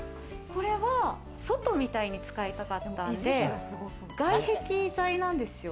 これは外みたいに使いたかったんで、外壁材なんですよ。